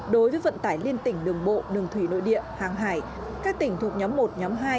đối với vận tải liên tỉnh đường bộ đường thủy nội địa hàng hải các tỉnh thuộc nhóm một nhóm hai